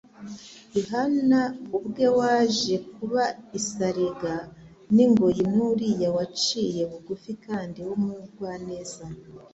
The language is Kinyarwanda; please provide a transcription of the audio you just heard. Yohana ubwe waje kuba isariga n'ingoyi n'uriya uciye bugufi kandi w'umugwaneza,